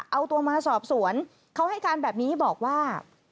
เอาตัวมาสอบสวนเขาให้การแบบนี้บอกว่า